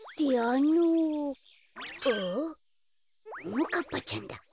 ももかっぱちゃんだ。